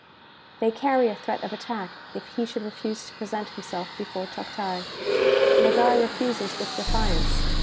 '|~(They carry a threat of attack if he should refuse to present himself before Toctai. Nogai refuses with defiance.